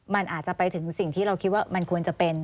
มันอาจจะไปถึงสิ่งที่เราคิดว่ามันควรจะเป็น